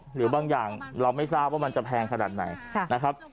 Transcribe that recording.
หรือบางอย่างเราไม่ทราบว่ามันจะแพงขนาดไหนนะครับ